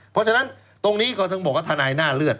เพราะฉะนั้นตรงนี้ก็ถึงบอกว่าทนายหน้าเลือด